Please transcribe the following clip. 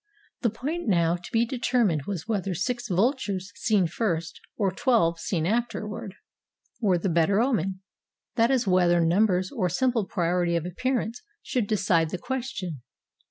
The point now to be determined was whether six vultures seen first, or twelve seen after ward, were the better omen, that is whether numbers, or simple priority of appearance, should decide the ques tion.